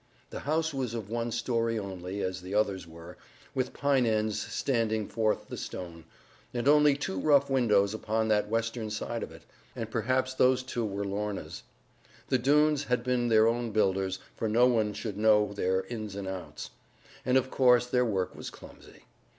The house was of one story only, as the others were, with pine ends standing forth the stone, and only two rough windows upon that western side of it, and perhaps those two were Lorna's. The Doones had been their own builders, for no one should know their ins and outs; and of course their work was clumsy.